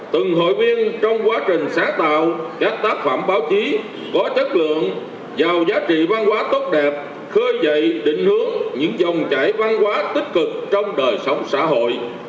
từng hội viên trong quá trình sáng tạo các tác phẩm báo chí có chất lượng giàu giá trị văn hóa tốt đẹp khơi dậy định hướng những dòng chảy văn hóa tích cực trong đời sống xã hội